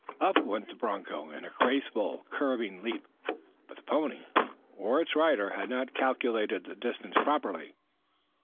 Up went the broncho in a graceful curving leap. But the pony or its rider had not calculated the distance properly.